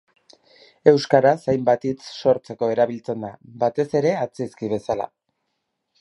Euskaraz hainbat hitz sortzeko erabiltzen da, batez ere atzizki bezala.